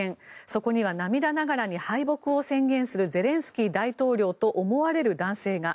そこには涙ながらに敗北を宣言するゼレンスキー大統領と思われる男性が。